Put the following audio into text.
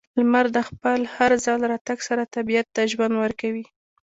•لمر د خپل هر ځل راتګ سره طبیعت ته ژوند ورکوي.